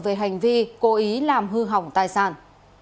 về hành vi cố ý làm hư hỏng tài sản